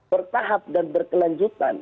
bertahap dan berkelanjutan